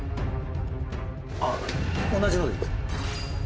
あっ同じので？